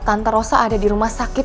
tanta rosa ada di rumah sakit